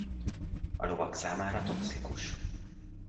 A lovak számára toxikus.